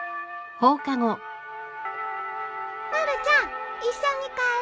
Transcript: まるちゃん一緒に帰ろ。